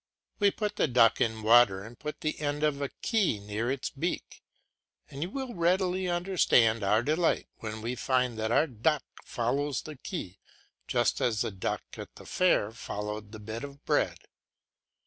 We put the duck in water and put the end of a key near its beak, and you will readily understand our delight when we find that our duck follows the key just as the duck at the fair followed the bit of bread.